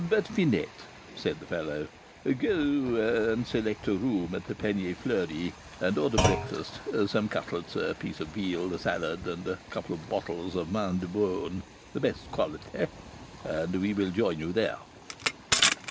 But, Finette," said the fellow, "go and select a room at the Panier Fleuri, and order breakfast, some cutlets, a piece of veal, a salad, and a couple of bottles of vin de beaune, the best quality, and we will join you there."